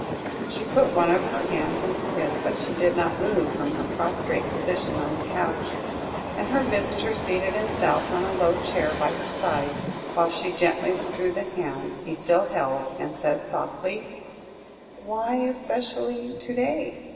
She put one of her hands into his, but she did not move from her prostrate position on the couch, and her visitor seated himself on a low chair by her side, whilst she gently withdrew the hand he still held, and said softly "Why especially to day?